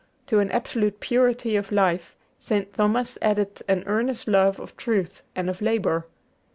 To an absolute purity of life, St. Thomas added an earnest love of truth and of labor.